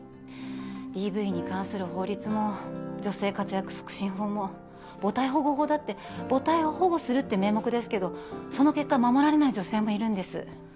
ＤＶに関する法律も女性活躍促進法も母体保護法だって母体を保護するって名目ですけどその結果守られない女性もいるんです。